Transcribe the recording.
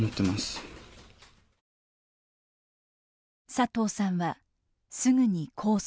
佐藤さんはすぐに控訴。